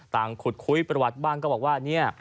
ขุดคุยประวัติบ้างก็บอกว่าเนี่ย